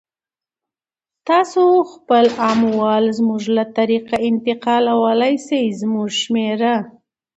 تاسو خپل اموال زموږ له طریقه انتقالولای سی، زموږ شمیره